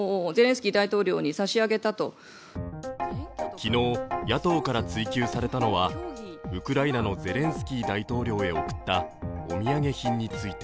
昨日、野党から追求されたのは、ウクライナのゼレンスキー大統領に贈ったお土産品について。